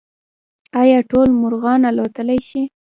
ایا ټول مرغان الوتلی شي؟